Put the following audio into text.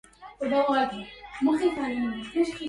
كان التنقل في الغرام يلذ لي